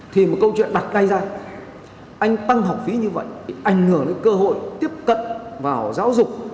thì một câu chuyện đặt ngay ra anh tăng học phí như vậy ảnh hưởng đến cơ hội tiếp cận vào giáo dục